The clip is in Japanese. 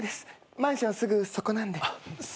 マンションすぐそこなんで。